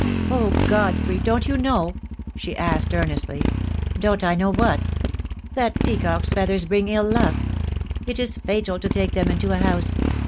"Oh, Godfrey, don't you know?" she asked, earnestly. "Don't I know what?" "That peacock's feathers bring ill luck. It is fatal to take them into a house.